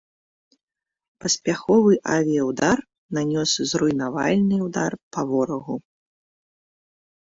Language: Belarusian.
Паспяховы авіяўдар нанёс зруйнавальны ўдар па ворагу.